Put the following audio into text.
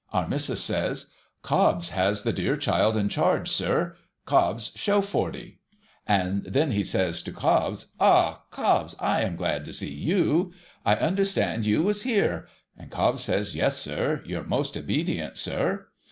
Our missis says, ' Cobbs has the dear child in charge, sir. Cobbs, show Forty !' Then he says to Cobbs, ' Ah, Cobbs, I am glad to see vou ! I understood you was here !' And Cobbs says, ' Yes, sir. Your most obedient, sir.'